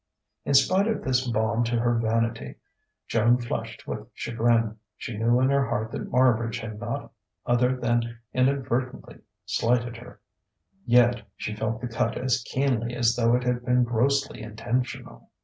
In spite of this balm to her vanity, Joan flushed with chagrin. She knew in her heart that Marbridge had not other than inadvertently slighted her; yet she felt the cut as keenly as though it had been grossly intentional.